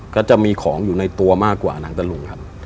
ก็จะมีของอยู่ในตัวมากกว่าหนังตะลุงครับ